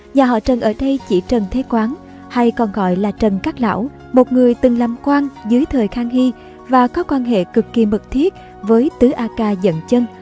nhà họ trần ở đây chỉ trần thế quán hay còn gọi là trần cát lão một người từng làm quang dưới thời khang hy và có quan hệ cực kỳ mật thiết với tứ a ca dân chân